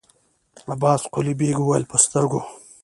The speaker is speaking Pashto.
عباس قلي بېګ وويل: په سترګو!